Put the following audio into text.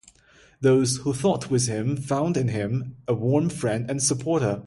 Those who thought with him found in him a warm friend and supporter.